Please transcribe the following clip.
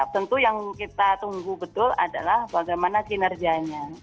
tentu yang kita tunggu betul adalah bagaimana kinerjanya